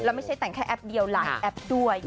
แล้วไม่ใช่แต่งแค่แอปเดียวหลายแอปด้วย